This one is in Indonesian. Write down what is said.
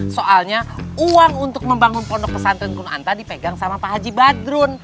soalnya uang untuk membangun pondok pesantren kunanta dipegang sama pak haji badrun